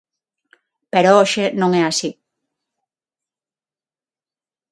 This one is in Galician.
Pero hoxe non é así.